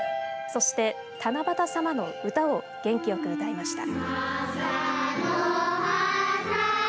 そして、たなばたさまの歌を元気よく歌いました。